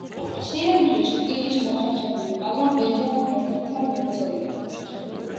სინამდვილეში კი ის მოხერხებული, მაგრამ ბერძენ ღმერთებთან მებრძოლია.